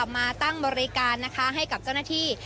มาตั้งบริการนะคะให้กับเจ้าหน้าที่